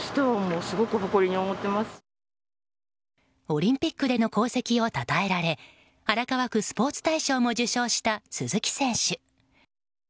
オリンピックでの功績をたたえられ荒川区スポーツ大賞も受賞した鈴木選手。